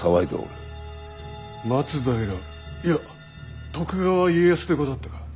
松平いや徳川家康でござったか。